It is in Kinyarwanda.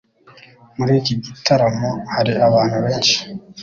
Muri iki gitaramo hari abantu benshi.